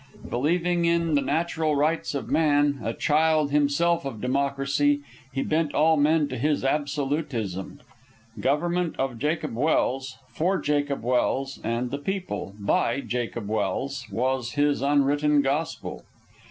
Believing in the natural rights of man, a child himself of democracy, he bent all men to his absolutism. Government of Jacob Welse, for Jacob Welse and the people, by Jacob Welse, was his unwritten gospel.